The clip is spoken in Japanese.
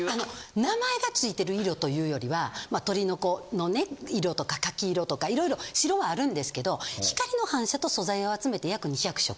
名前がついてる色というよりはまあ鳥の子のね色とかかきいろとかいろいろ白はあるんですけど光の反射と素材を集めて約２００色。